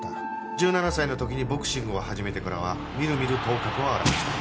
１７歳の時にボクシングを始めてからはみるみる頭角を現した。